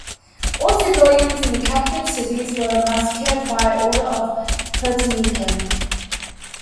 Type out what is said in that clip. All civilians in the captured cities were massacred by order of Potemkin.